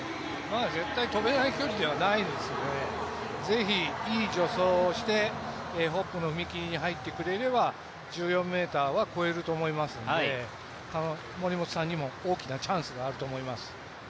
絶対跳べない距離ではないので是非、いい助走をして、ホップの踏み切りに入ってくれれば１４ｍは越えると思いますんで森本さんにも大きなチャンスがあると思います。